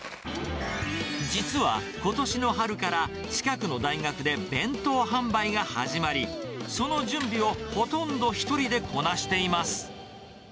実はことしの春から、近くの大学で弁当販売が始まり、その準備をほとんど１人でこなしています。